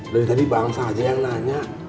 dari tadi bangsa aja yang nanya